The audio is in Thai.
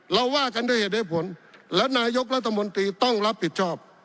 ว่ากันด้วยเหตุด้วยผลและนายกรัฐมนตรีต้องรับผิดชอบ